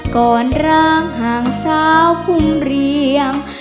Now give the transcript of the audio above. ก่อนร้างห่างสาวพุ่มเรียง